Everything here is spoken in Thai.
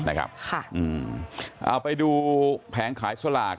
เอาไปดูแผงขายสลาก